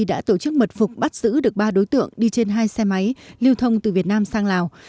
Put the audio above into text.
đã tổ chức mật phục bắt giữ được ba đối tượng đi trên hai xe máy lưu thông từ việt nam sang lào